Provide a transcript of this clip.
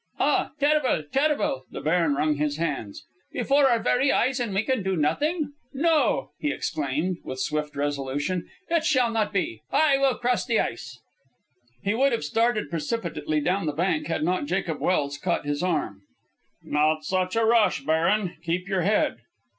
"Ah! Terrible! terrible!" The baron wrung his hands. "Before our very eyes, and we can do nothing! No!" he exclaimed, with swift resolution, "it shall not be! I will cross the ice!" He would have started precipitately down the bank had not Jacob Welse caught his arm. "Not such a rush, baron. Keep your head."